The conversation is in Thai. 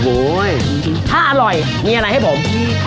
ค่ะอร่อยถ้าอร่อยมีอะไรให้ผม